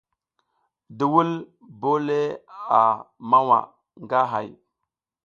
Duwul bole a mawa nga hay.